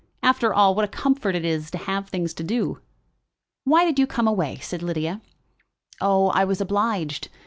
"After all, what a comfort it is to have things to do." "Why did you come away?" said Lydia. "Oh, I was obliged.